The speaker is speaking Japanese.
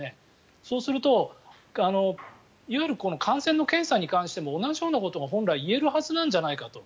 そうするといわゆる感染の検査に関しても同じようなことが本来、言えるはずなんじゃないかと。